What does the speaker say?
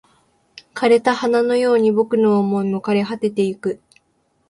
枯れた花のように僕の想いも枯れ果ててゆく